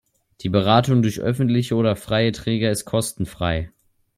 Die Beratung durch öffentliche oder freie Träger ist kostenfrei.